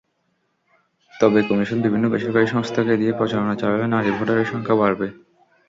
তবে কমিশন বিভিন্ন বেসরকারি সংস্থাকে দিয়ে প্রচারণা চালালে নারী ভোটারের সংখ্যা বাড়বে।